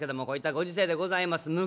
こういったご時世でございます。